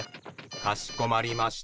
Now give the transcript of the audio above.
かしこまりました。